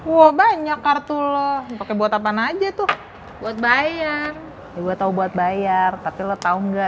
wah banyak kartu lo pakai buat apaan aja tuh buat bayar juga tau buat bayar tapi lo tau nggak